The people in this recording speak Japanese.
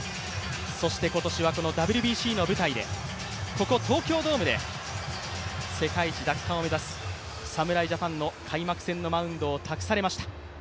そしてことしは、このＷＢＣの舞台で、ここ東京ドームで世界一奪還を目指す侍ジャパンの開幕戦のマウンドを託されました。